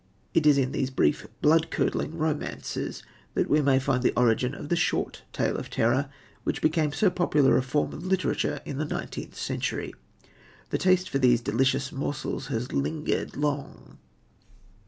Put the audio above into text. It is in these brief, blood curdling romances that we may find the origin of the short tale of terror, which became so popular a form of literature in the nineteenth century. The taste for these delicious morsels has lingered long.